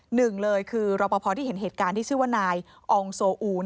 หนึ่งเลยคือรอปภที่เห็นเหตุการณ์ที่ชื่อว่านายอองโซอูน